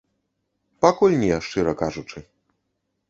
Пакуль не, шчыра кажучы.